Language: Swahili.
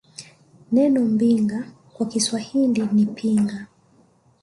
Neno Mbinga kwa Kiswahili ni Pinga